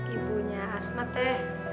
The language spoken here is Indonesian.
ibunya asmat deh